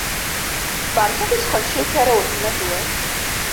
Beṛkat ur sxenciwet ara weltma-twen.